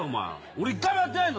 俺１回もやってないんだぞ。